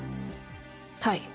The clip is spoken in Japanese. はい。